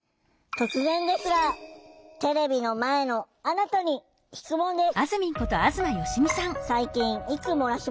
突然ですがテレビの前のあなたに質問です。